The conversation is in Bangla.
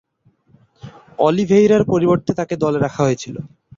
অলিভেইরা’র পরিবর্তে তাকে দলে রাখা হয়েছিল।